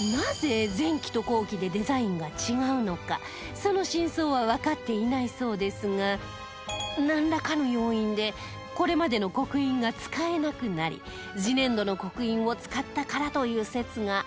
その真相はわかっていないそうですがなんらかの要因でこれまでの刻印が使えなくなり次年度の刻印を使ったからという説があるそうです